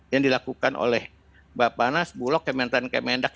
yang dilakukan oleh bapak anas bulog kementerian kemendak